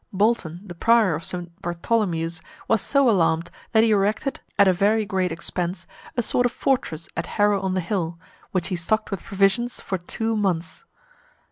Bolton, the prior of St. Bartholomew's, was so alarmed, that he erected, at a very great expense, a sort of fortress at Harrow on the Hill, which he stocked with provisions for two months.